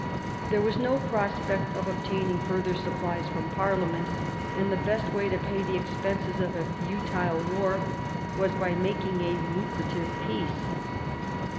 There was no prospect of obtaining further supplies from Parliament, and the best way to pay the expenses of a futile war was by making a lucrative peace.